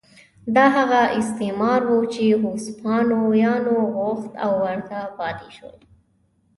دا هغه استعمار و چې هسپانویانو غوښت او ورته پاتې شول.